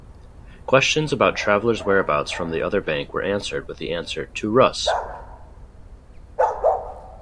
Questions about travelers' whereabouts from the other bank were answered with the answer To-Rus!